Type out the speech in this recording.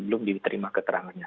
belum diterima keterangannya